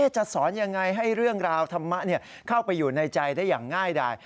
จะสอนยังไงให้เรื่องราวธรรมะเข้าไปอยู่ในใจได้อย่างง่ายดาย